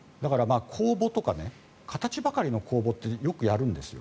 だから、形ばかりの公募ってよくやるんですよ。